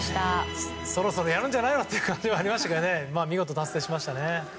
そろそろやるんじゃないのという感じがしますけど見事達成しましたね。